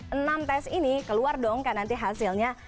enam tes ini keluar dong kan nanti hasilnya